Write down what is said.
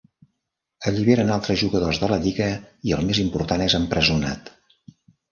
Alliberen altres jugadors de la lliga i el més important és empresonat.